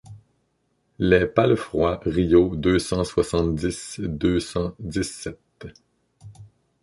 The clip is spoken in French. Les palefrois Riault deux cent soixante-dix deux cent dix-sept.